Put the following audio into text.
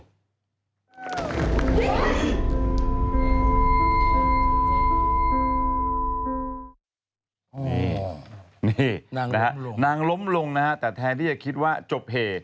นี่นะฮะนางล้มลงนะฮะแต่แทนที่จะคิดว่าจบเห